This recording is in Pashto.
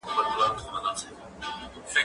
زه له سهاره زده کړه کوم؟